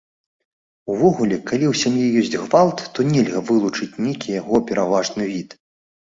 Увогуле, калі ў сям'і ёсць гвалт, то нельга вылучыць нейкі яго пераважны від.